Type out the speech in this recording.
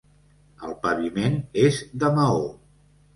El paviment és de maó.